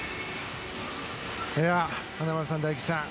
華丸さん、大吉さん